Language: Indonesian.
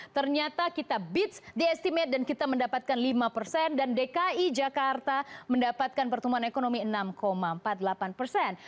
ternyata kita beach the estimate dan kita mendapatkan lima persen dan dki jakarta mendapatkan pertumbuhan ekonomi enam empat puluh delapan persen